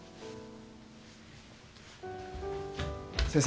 先生。